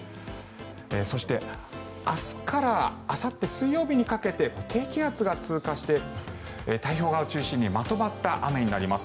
そして、明日からあさって水曜日にかけて低気圧が通過して太平洋側を中心にまとまった雨になります。